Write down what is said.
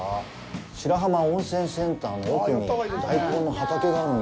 白浜温泉センターの奥に大根の畑があるんだ。